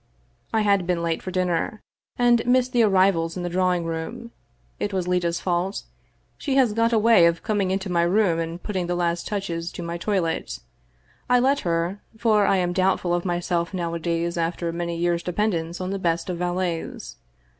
I had been late for din ner and missed the arrivals in the drawing room. It was Leta's fault. She has got into a way of coming into my room and putting the last touches to my toilet. I let her, for I am doubtful of myself nowadays after many years* dependence on the best of valets.